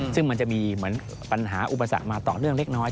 ซึ่งมันจะมีเหมือนปัญหาอุปสรรคมาต่อเนื่องเล็กน้อย